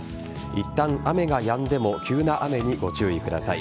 いったん雨がやんでも急な雨にご注意ください。